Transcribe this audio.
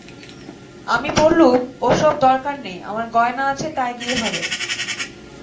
আমি বললুম, ও-সব দরকার নেই, আমার গয়না আছে তাই দিয়ে হবে।